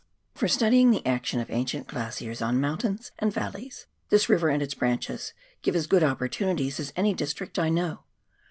For studying the action of ancient glaciers on mountains and valleys, this river and its branches give as good opportu nities as any district I know.